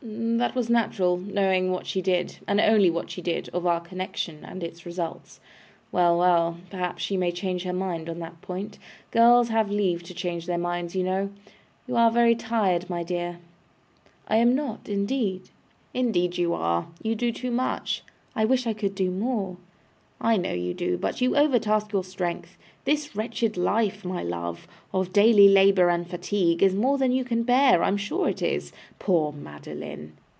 That was natural, knowing what she did, and only what she did, of our connection and its results. Well, well. Perhaps she may change her mind on that point; girls have leave to change their minds, you know. You are very tired, my dear.' 'I am not, indeed.' 'Indeed you are. You do too much.' 'I wish I could do more.' 'I know you do, but you overtask your strength. This wretched life, my love, of daily labour and fatigue, is more than you can bear, I am sure it is. Poor Madeline!